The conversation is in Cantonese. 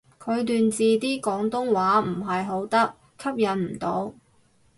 佢段字啲廣東話唔係好得，吸引唔到